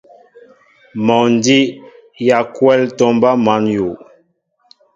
Mol a njii yaakwɛl tomba măn yu.